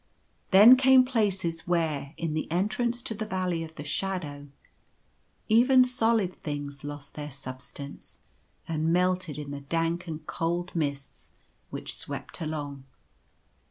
Then came places where, in the entrance to the Valley of the Shadow, even solid things lost their sub stance, and melted in the dank and cold mists which swept along.